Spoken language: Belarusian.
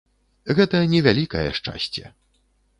Гэта не вялікае шчасце.